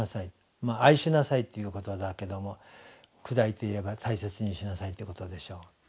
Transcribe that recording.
愛しなさいということだけども砕いて言えば大切にしなさいということでしょう。